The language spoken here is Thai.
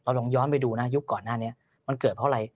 ลองย้อนไปดูนะยุคก่อนหน้านี้มันเกิดเพราะอะไร